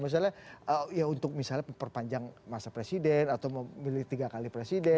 misalnya ya untuk misalnya perpanjang masa presiden atau memilih tiga kali presiden